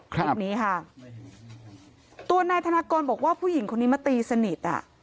คลิปนี้ค่ะตัวนายธนากรบอกว่าผู้หญิงคนนี้มาตีสนิทอ่ะ